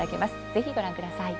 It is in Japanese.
是非ご覧ください。